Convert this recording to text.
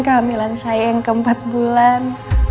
kehamilan saya yang keempat bulan